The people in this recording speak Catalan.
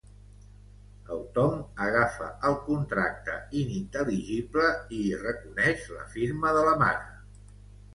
El Tom agafa el contracte inintel·ligible i hi reconeix la firma de la mare.